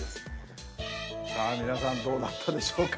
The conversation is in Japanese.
さあ皆さんどうだったでしょうか？